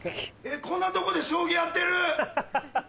こんなとこで将棋やってる！